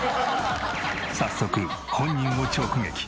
早速本人を直撃！